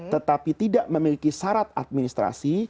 tetapi tidak memiliki syarat administrasi